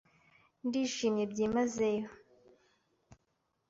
Ndishimye byimazeyo .